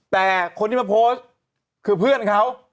แต่คนที่มาโพสต์คือเพื่อนเขา